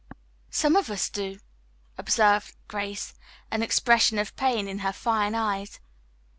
"Some of us do," observed Grace, an expression of pain in her fine eyes.